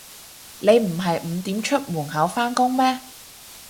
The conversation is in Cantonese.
你唔係五點出門口返工咩